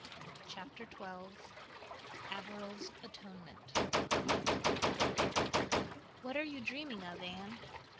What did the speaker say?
Chapter XII "Averil's Atonement" "What are you dreaming of, Anne?"